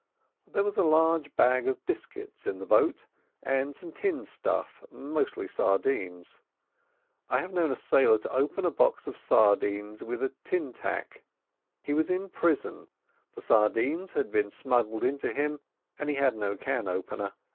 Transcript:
There was a large bag of biscuits in the boat, and some tinned stuff—mostly sardines. I have known a sailor to open a box of sardines with a tin tack. He was in prison, the sardines had been smuggled into him, and he had no can opener.